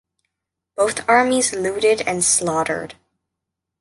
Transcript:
Both armies looted and slaughtered.